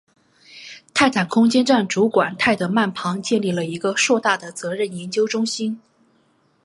泰坦空间站主管泰德曼旁建立了一个硕大的责任研究中心。